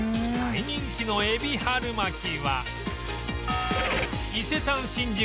大人気の海老春巻きは